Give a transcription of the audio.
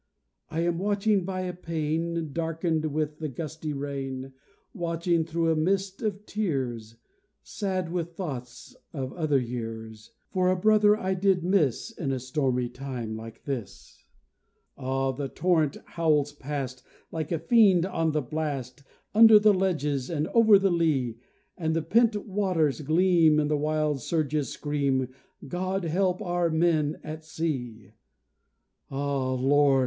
I am watching by a pane Darkened with the gusty rain, Watching, through a mist of tears, Sad with thoughts of other years, For a brother I did miss In a stormy time like this. Ah! the torrent howls past, like a fiend on the blast, Under the ledges and over the lea; And the pent waters gleam, and the wild surges scream God help our men at sea! Ah, Lord!